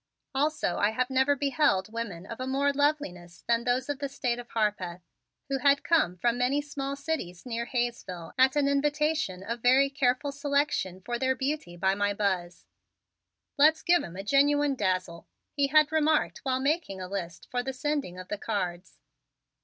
Also I had never beheld women of a more loveliness than those of the State of Harpeth, who had come from many small cities near to Hayesville at an invitation of very careful selection for their beauty by my Buzz. "Let's give him a genuine dazzle," he had remarked while making a list for the sending of the cards.